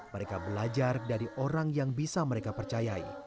mereka belajar dari orang yang mereka bisa percayai